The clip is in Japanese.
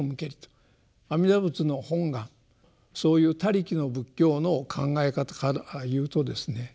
阿弥陀仏の本願そういう他力の仏教の考え方から言うとですね